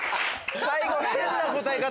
最後変な答え方。